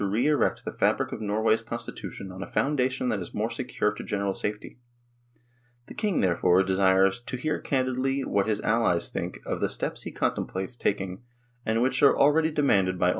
THE HISTORY OF THE UNION 37 compelled to re erect the fabric of Norway's consti tution on a foundation that is more secure to general safety." The King, therefore, desires " to hear candidly what his allies think of the steps he contemplates taking and which are already demanded by